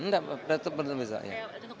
untuk pemilihan ketua mpp dan apa namanya sudah ya